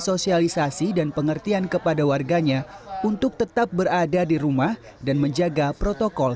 sosialisasi dan pengertian kepada warganya untuk tetap berada di rumah dan menjaga protokol